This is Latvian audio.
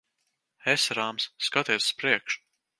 Esi rāms. Skaties uz priekšu.